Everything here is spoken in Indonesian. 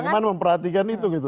bagaimana memperhatikan itu gitu